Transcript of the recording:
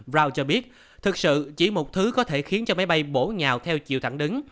brow cho biết thực sự chỉ một thứ có thể khiến cho máy bay bổ nhào theo chiều thẳng đứng